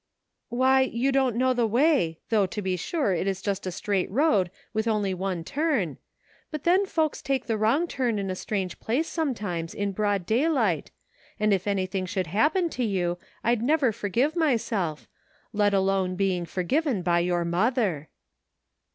" Why, you do not know the way, though to be sure it is just a straight road with only one turn ; but then folks take the wrong turn in a strange place sometimes in broad daylight, and if anything should happen to you I'd never for give myself, let alone being forgiven by your mother."